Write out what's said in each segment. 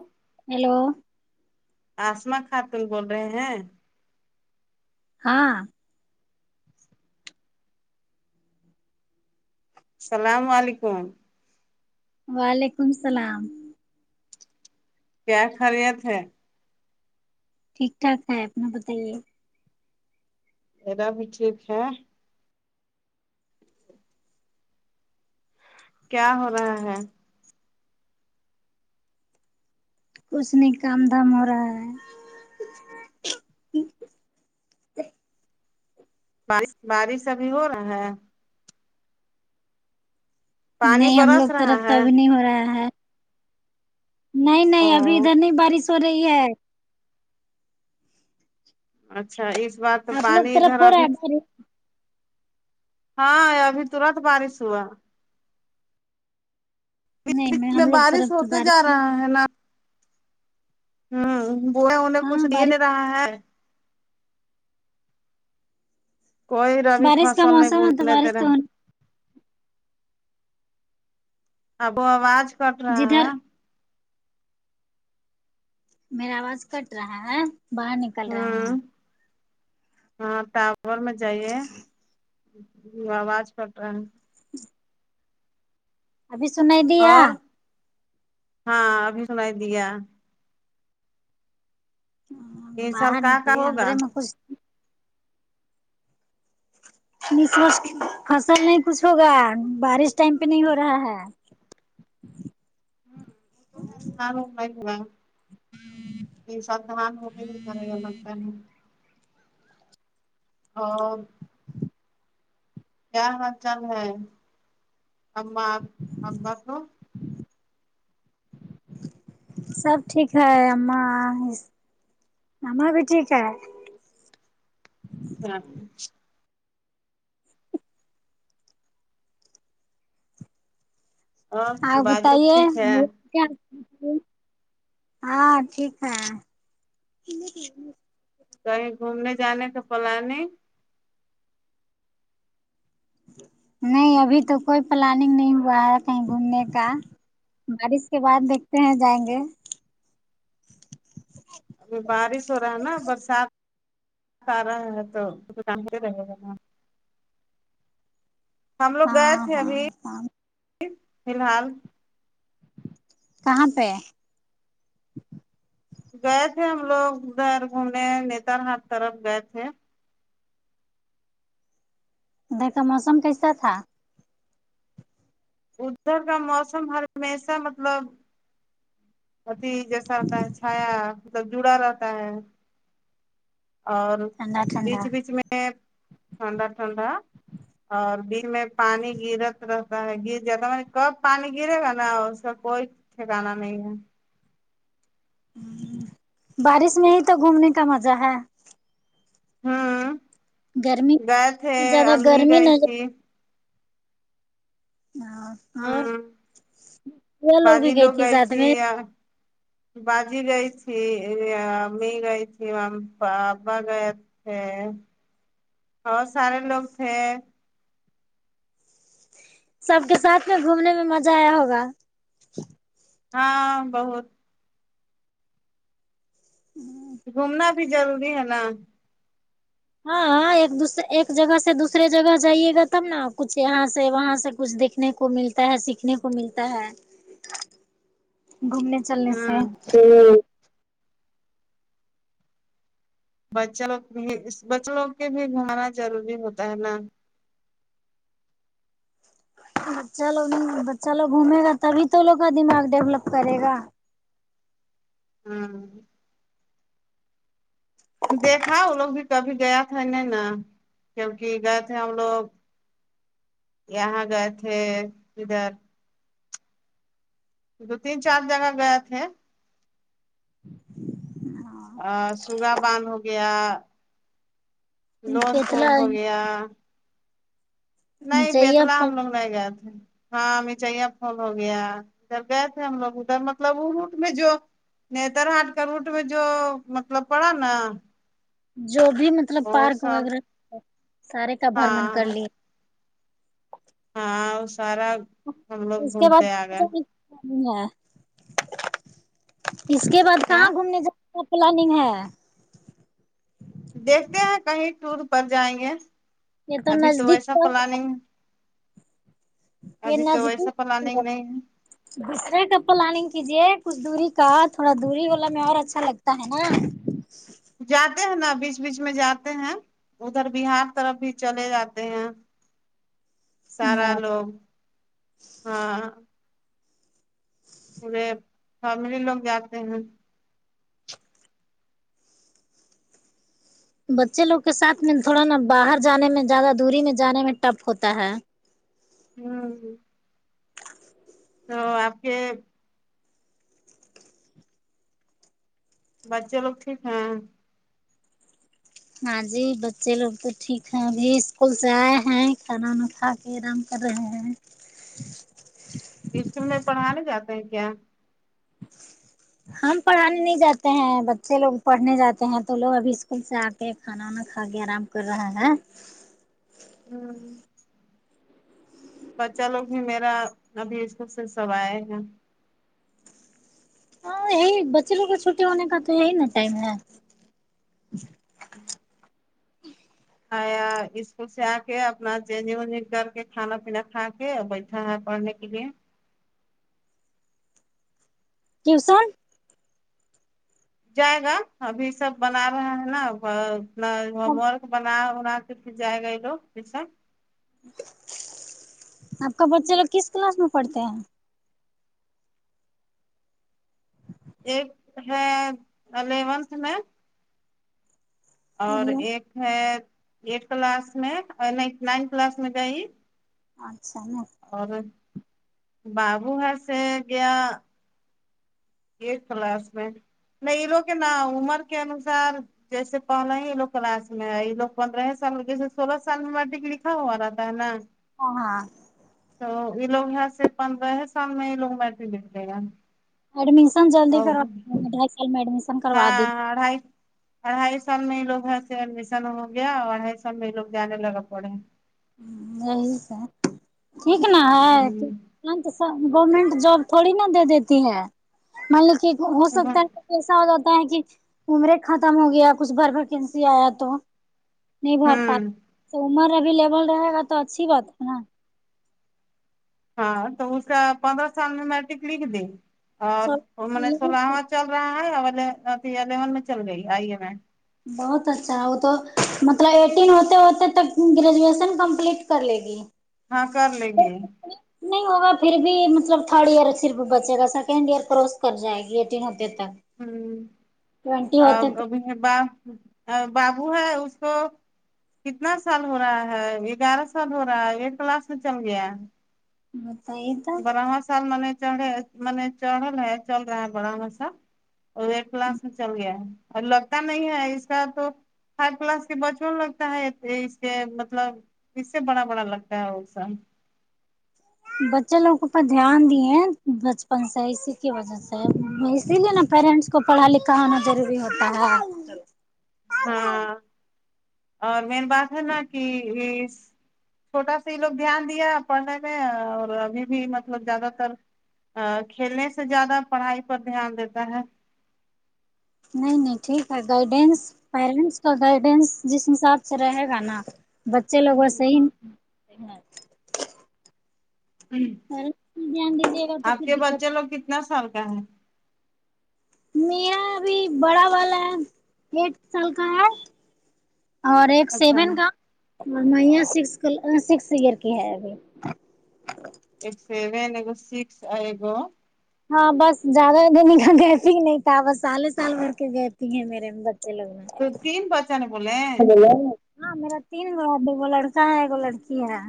ہاں ہیلو آسما خاتون بول رہے ہیں ہاں سلام و علیکم وعلیکم السلام کیا خریت ہے ٹھیک ٹھاک ہے اپنا بتائیے میرا بھی ٹھیک ہے کیا ہو رہا ہے کچھ نہیں کام دھام ہو رہا ہے بش بارش ابھی ہو رہا ہے پانی نہیں ہم لوگ برس رہا طرف تو ہے ابھی نہیں ہو رہا ہے نہیں او نہیں ابھی ادھر نہیں بارش ہو رہی ہے اچھا اس بار تو آپ لوگ پانی طرف ادھر ہو رہا ابھی ہے بارش ہاں آیا ابھی ترنت بارش ہوا نہیں میں کتنا ہم لوگ بارش طرف تو ہوتے جا بارش رہا ہے نا ہوں وہ ہے انہیں ہاں کچھ دے نہیں بارش رہا ہے کوئی رب بارش کا فصل نہیں موسم ہے تو بننےدے بارش را تو اب آواز کٹ رہا ہے جدھر میرا آواز کٹ رہا ہے باہر نکل رہا ہیں ہوں ہاں ٹاپ فلور میں جائیے آواز کٹ رہا ہے ابھی سنائی دیا اور ہاں ابھی سنائی دیا ہون ان سال باہر کہاں کا نکلئے ہوگا اندھرے میں کچھ [unintelligible] فصل نہیں کچھ ہوگا بارش ٹائم پہ نہیں ہو رہا ہے ہ وہ تو [unintelligible] ت ساتھ دان ہو کے نہیں کرے گا لگتا ہے ہاں کیا حال چال ہے اما ابا کو سب ٹھیک ہے اما س اما بھی ٹھیک ہے [unintelligible] اور آپ باجی لوگ بتائیے ٹھیک ہے ہو کیا ہاں ٹھیک ہے کہیں گھومنے جانے کا پلاننگ نہیں ابھی تو کوئی پلاننگ نہیں ہوا ہے کہیں گھومنے کا بارش کے بعد دیکھتے ہیں جائیں گے اب بارش ہو رہا ہے نا برسات برات آ رہا ہے توان رہے گا نا ہم لوگ گئے ہاں تھے ہاں ابھی ہاں فی الحال کہاں پہ گئے تھے ہم لوگ ادھر گھومنے نیتر ہٹ طرف گئے تھے دیکھا موسم کیسا تھا ادھر کا موسم ہر ہمیشہ مطلب اتیھی جیسا ہوتا ہے چھایا مطلب جڑا رہتا ہے اور ٹھنڈا بیچ ٹھنڈا بیچ میں ٹھنڈا ٹھنڈا اور دن میں پانی گرت رہتا ہے گر جاتا ہے میں نے کب پانی گرے گا نا اس کا کوئی پ جانا نہیں بارش میں ہی تو گھومنے کا مزہ ہے ہوں گرمی گئے تھے زیادہ امی گرمی نہ گئی تھی ہاں ہوں باجی لوگ گئی تھی ا باجی گئی تھی ا امی گئی تھی ا ابا گئے ٹھے اور سارے لوگ تھے سب کے ساتھ میں گھومنے میں مزہ آیا ہوگا ہاں بہت ہوں گھومنا بھی ضروری ہے نا ہاں ہاں ایک دوس ایک جگہ سے دوسرے جگہ جائیے گا تب نا کچھ یہاں سے وہاں سے کچھ دیکھ نے کو ملتا ہے سیکھنے کو ملتا ہے گھومنے چلنے سے ہوں بچے لوگ بھی بچے لوگ کے بھی گھانا ضروری ہوتا ہے نا بچہ لوگ بچہ لوگ گھومے گا تبھی تو ان لوگوں کا دماغ ڈیولپ کرے گا ہوں دیکھا وہ لوگ بھی کبھی گیا تھا نہیں نا کیونکہ گئے تھے ہم لوگ یہاں گئے تھے ادھر دو تین چار جگہ گئے تھے ا سوگا باندھ ہو گیا لون پھول اتلا ہو گیا نی نہیں چاہیے بیتلا ہم لوگ نہیں گئے تھے ہاں مچائیاں پون ہو گیا ادھر گئے تھے ہم لوگ ادھر مطلب وہ روٹ میں جو نیتر ہارٹ کا روٹ میں جو مطلب پڑا نا جو بھی مطلب وہ پارک سب وغیرہ سارے کا بھرمن کر ہاں لیے ہاں وہ سارا ہم لوگ اس کے بعد گھومتے آ گئے [unintelligible] ہے اس کے بعد کہاں کیا گھومنے جانے پلاننگ ہے دیکھتے ہیں کہیں ٹور پر جائیں گے یہ ابھی تو نزدیک ویسا پڑ گیا، پلاننگ یہ ابھی تو نزدیک ویسا پڑ پلانگ گیا نہیں دوسرے کا پلاننگ کیجے کچھ دوری کا تھوڑا دوری والا میں اور اچھا لگتا ہے نا جاتے ہیں نا بیچ بیچ میں جاتے ہیں ادھر بہار طرف بھی چلے جاتے ہیں سارا لوگ ہاں پورے فیملی لوگ جاتے ہیں بچے لوگ کے ساتھ میں تھوڑا نا باہر جانے میں زیادہ دوری میں جانے میں ٹف ہوتا ہے ہوں ہوں تو آپ کے بچے لوگ ٹھیک ہیں ہاں جی بچے لوگ تو ٹھیک ہیں ابھی اسکول سے آئے ہیں کھانا وانا کھا آرام کر رہے ہیں ایسٹ میں پڑھانے جاتے ہیں کیا ہم پڑھانے نہیں جاتے ہیں بچے لوگ پڑھنے جاتے ہیں تو لوگ ابھی اسکول سے آ ایک کھانا وانا کھا کے آرام کر رہا ہے ہوں بچا لوگ بھی میرا ابھی اسکول سے سب آئے گا ہاں یہی بچے لوگوں کا چھٹی ہونے کا تو یہی نا ٹائم ہے آیا اسکول سے آ کے اپنا چنگنگ وگنگ کر کے کھانا پینا کھا کے بیٹھ ہاں ہاں پڑھنے کے لیے کیوں سن جائے گا ابھی سب بنا رہا ہے نا اپنا ہوم ورک بنا انا تو پھر جائے گا یہ لوگ پیچھے آپ کا بچے لوگ کس کلاس میں پڑھتے ہیں ایک ہے الیونتھ میں اور ہیں ایک ہے ایٹتھ کلاس میں نہی نائنتھ کلاس میں گئی اچھا نا اور بابو ہےسے گیا ائٹتھ کلاس میں نہیں یہ لوگ کے ن عمر کے انوسار جیسے پہلا ہی لو کلاس میں آئی یہ لوگ پندر ہی سال میں جیسے سولہ سال میں میٹرک لکھ ہاں وہ رہتا نا ہو ہاں تو یہ لوگ یہاں سے پندرہ ہی سال میں یہ لوگ میٹرک لکھ دے گا ایڈمیشن جلدی کراؤ ڈھائی سال میں ایڈمیشن کروا ہاں دی ہاں آڈھائی اڑھائی سال میں یہ لوگ سے ایڈمیشن ہو گیا اور اڑھائی سال میں یہ لوگ جانے لگا پڑھنے ہوں یہی سے ٹھیک نا ہے ہاں تو س گورنمنٹ جاب تھوڑی نا دے دیتی ہے مان لو کہ ہو سکتا ہے ایسا ہو جاتا ہے کہ عمرے ختم ہو گیا کچھ بھر پر کینسی آیا تو نہیں بھر پا تو عمر ابھی لیول رہے گا تو اچھی بات ہے نا ہاں تو اس کا پندرہ سال میں میٹرک لکھ دی سو اور میں نے سولہواں چال رہا ہے اولے ابھی الیون میں چل رہی ہے یہ [unintelligible] بہت اچھا وہ تو مطلب ایٹین ہوتے ہوتے تک گریجویشن کمپلیٹ کر لے گی ہاں کر لے گی نہیں ہوگا پھر بھی مطلب تھرڈ ایئر صرف بچے گا سیکنڈ ایئر کروس کر جائے گی ایٹین ہوتے تک ہوں ٹوینٹی ا ہوتے ابھی تک بھی با ا بابو ہے اس کو کتنا سال ہو رہا ہے گیارہ سال ہو رہا ہے ایٹتھ کلاس میں چل گیا ہے نائنتھ براواں سال من نے چڑھے من چڑھل ہے چل رہا ہے براواں سال اور ایٹتھ کلاس میں چل گیا ہے اور لگتا نہیں ہے اس کا تو تھرڈ کلاس کے بچپوں لگتا ہے اس کے مطلب اس سے بڑا بڑا لگتا ہے حسین بچے لوگوں پہ دھیان دیے بچپن سے اسی کی وجہ سے حسین اسی لیے نا پیرنٹس کو پڑھا لکھا ہونا ضروری ہوتا ہے ہاں اور مین بات ہے نا کہ اس چھوٹا سا ہی لوگ دھیان دیا پڑھنے میں اور ابھی بھی مطلب زیادہ تر ا کھیلنے سے زیادہ پڑھائی پر دھیان دیتا ہے نہیں نہیں ٹھیک ہے گائیڈینس پیرنٹس کا گائیڈینس جس حساب سے رہے گا نا بچے لوگو ویسے ہی ہ دھیان دیجیے گا تو آپ پھر کے دقت بچے لوگ کتنا سال کا ہے میرا ابھی بڑا والا ہے آئٹ سال کا ہے اور ایک اچھا سیون کا اور میاس سکس ایئر کی ہے ابھی ایک سیون ایگ سکس ہے گو ہاں بس زیادہ دن کا گیپ ہی نہیں تھا بس سالے سال مر کے گیپ ہی ہیں میرے تین بچے لوگ ہیں تو تین پچا نے بولیں ہاں میرا تین کہ وہ لڑکا ہے لڑکی ہے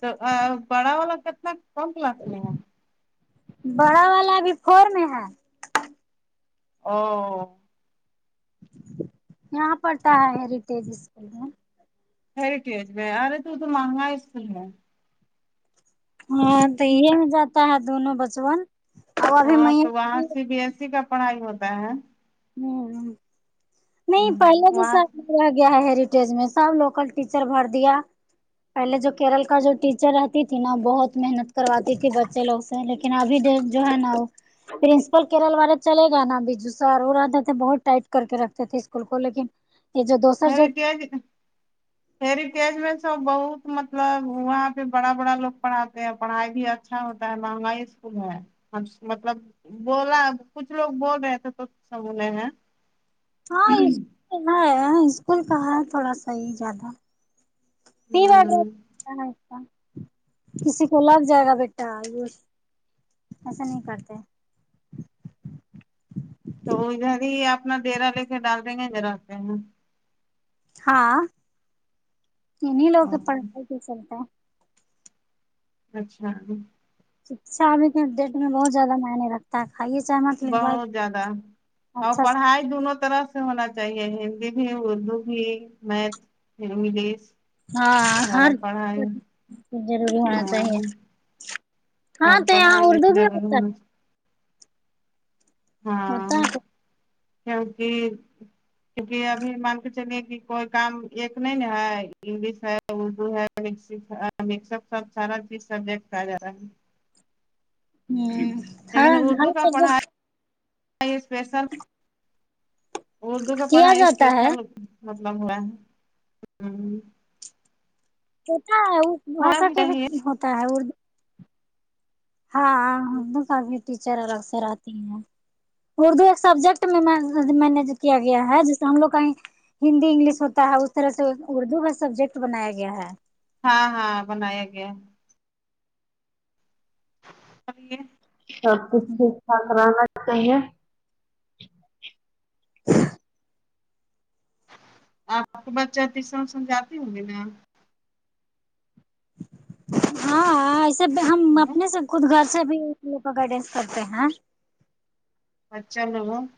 تو ا بڑا والا کتنا کم کلاس میں ہے بڑا والا ابھی فور میں ہے او یہاں پڑھتا ہے ہیریٹیج اسکول میں ہیریٹیج میں ارے یہ تو مہنگا اسکول ہے ہاں تو یہ میں جاتا ہے دونوں بچون ہاں تو وہاں سی بی ایس س کا پڑھائی ہوتا ہے ہوں ہوں نہیں پہلا وہاں جیسا ہی رہ گیا ہے ہیریٹیج میں سب لوکل ٹیچر بھر دیا پہلے جو کیرل کا جو ٹیچر رہتی تھی نا بہت محنت کرواتی تھی بچے لوگ لیکن ابھی دیکھ جو ہے نا پرنسپل کیرل والا چلے گا نا بجو سر وہ رہتے تھے بہت ٹائٹ کر کے رکھتے تھے اسکول کو لیکن یہ جو دوسر جو ہیرٹیج ہیرٹیج میں سب بہت مطلب وہاں پہ بڑا بڑا لوگ پڑھاتے ہیں پڑھائی بھی اچھا ہوتا ہے مہنگا ہی اسکول ہے مطلب بولا کچھ لوگ بول رہے تھے تو سنبولے ہیں [unintelligible] اسکول کا ہے تھوڑا صحیح جاتا ہ [unintelligible] کسی کو لگ جائے گا بیٹا ایسا نہیں کرتے تو وہ ادھر ہی اپنا ڈرا لے کے ڈال دیں گے نر آتے ہیں ہاں ان ہی لوگ کے پڑھائی پے چلتا ہے اچھا جی سابقہ ٹٹ میں بہت زیادہ معنی رکھ کھائیے بہت زیادہ [unintelligible] اور اچھا پڑھائی دونوں طرح سے ہونا چاہیے ہندی بھی اردو بھی میتھ انگلش ہاں ہر سارا پڑھائی [unintelligible] ضروری ہونا ہاں چاہیے ہاں ہر تو یہاں پڑھائی میں اردو بھی ضرور ہوتا ہونا ہے چاہیے۔ ہاں ہوتا ہے کیونکہ کیونکہ ابھی مان کر چلیے کے کوئی کام ایک نہیں ہے انگلش ہے اردو ہے مکس اک ہے مکس اپ سب سارا چیز سبجٹ آجا رہا ہے ہ ہر لیکن ہر اردو کا پڑھا سبجیکٹ اسپیشل اردو کا کیا پڑھائی جاتا ہے اسپیشل مطلب ہو ہمم ہوتا ہے اس بھاشا کے بھی ہوتا ہے اردو ہاں ہوں کافی ٹیچر سرر سر آتی ہیں اردو ایک سبجیکٹ میں مینج کیا گیا ہے جیسے ہم لوگ کہیں ہندی انگلش ہوتا ہے اس طرح سے اردو کا سبجیکٹ بنایا گیا ہے ہاں ہاں بنایا گیا سب کچھ ٹھیک ٹھاک رہنا چاہیے آپ آپ کو بچہ تیسرا سمجھاتے ہوں گے نا ہاں ایسے اب ہم اپنے سے خود گھر سے بھی اس لوگ کا گائیڈینس کرتے ہیں اچھالو [unintelligible]